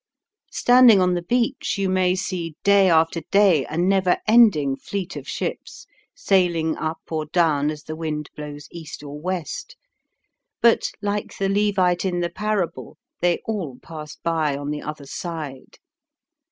Standing on the beach you may see day after day a never ending fleet of ships sailing up or down as the wind blows east or west. But, like the Levite in the parable, they all pass by on the other side.